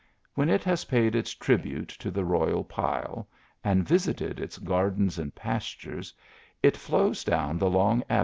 When it has paid its tribute to the royal pile, and visited ., gardens and pastures, it flows down the long avv.